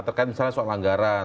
terkait soal anggaran